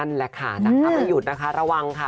จากถ้าไม่หยุดนะคะระวังค่ะ